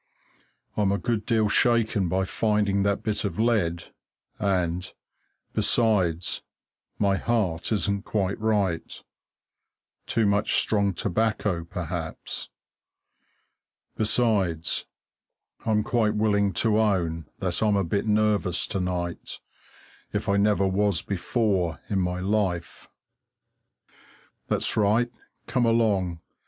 I'm a good deal shaken by finding that bit of lead, and, besides, my heart isn't quite right too much strong tobacco, perhaps. Besides, I'm quite willing to own that I'm a bit nervous to night, if I never was before in my life. That's right, come along!